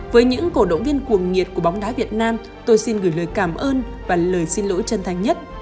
với những cổ động viên cuồng nhiệt của bóng đá việt nam tôi xin gửi lời cảm ơn và lời xin lỗi chân thành nhất